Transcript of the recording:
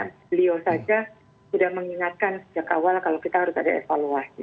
beliau saja sudah mengingatkan sejak awal kalau kita harus ada evaluasi